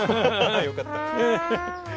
よかった。